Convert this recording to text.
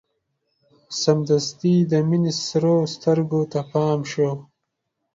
سمدستي يې د مينې سرو سترګو ته پام شو.